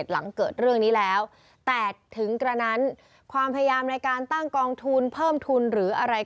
หลังเกิดเรื่องนี้แล้วแต่ถึงกระนั้นความพยายามในการตั้งกองทุนเพิ่มทุนหรืออะไร